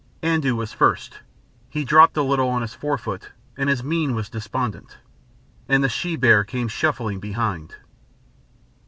Andoo was first; he dropped a little on his fore foot and his mien was despondent, and the she bear came shuffling behind.